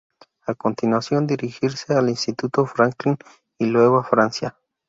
A continuación, dirigirse al Instituto Franklin, y luego a Francia.